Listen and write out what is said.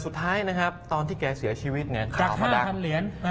สุดท้ายตอนที่แกเสียชีวิตข่าวมะดัง